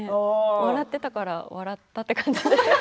笑っていたから笑ったという感じで。